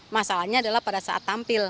masalahnya adalah pada saat tampil